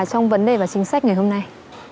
trong vấn đề và chính sách ngày hôm nay